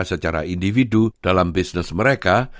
secara individu dalam bisnis mereka